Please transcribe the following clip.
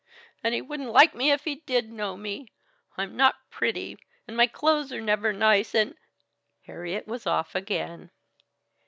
"And he wouldn't like me if he did know me. I'm not pretty, and my clothes are never nice, and " Harriet was off again.